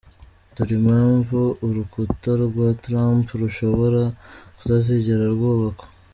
Dore impamvu urukuta rwa Trump rushobora kutazigera rwubakwa.